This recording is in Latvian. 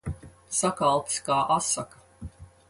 Sakaltis kā asaka.